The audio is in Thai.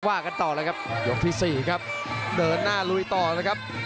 กันต่อเลยครับยกที่สี่ครับเดินหน้าลุยต่อนะครับ